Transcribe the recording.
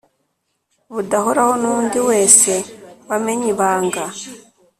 Budahoraho n undi wese wamenye ibanga